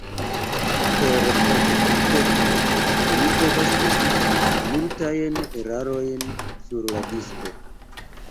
Per portopunkteco oni povas eviti multajn erarojn sur la disko.